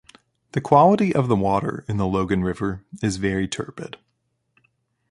The quality of the water in the Logan River is very turbid.